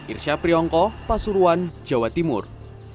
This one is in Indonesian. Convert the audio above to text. irsyapri ongko pasurwan jawa timur